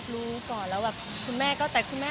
มีปิดฟงปิดไฟแล้วถือเค้กขึ้นมา